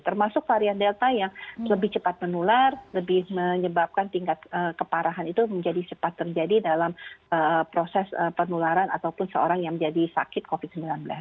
termasuk varian delta yang lebih cepat menular lebih menyebabkan tingkat keparahan itu menjadi cepat terjadi dalam proses penularan ataupun seorang yang menjadi sakit covid sembilan belas